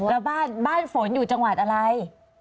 แล้วบ้านบ้านฝนอยู่จังหวัดอะไร